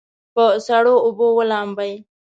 په سړو اوبو ولامبئ.